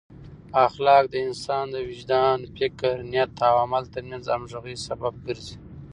اخلاق د انسان د وجدان، فکر، نیت او عمل ترمنځ د همغږۍ سبب ګرځي.